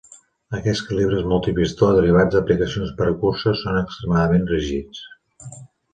Aquests calibres multi-pistó derivats d'aplicacions per a curses, són extremadament rígids.